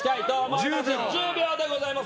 １０秒でございます。